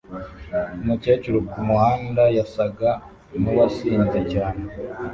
Umukecuru kumuhanda yasaga nkuwasinze cyane